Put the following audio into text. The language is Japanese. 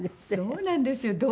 そうなんですよ。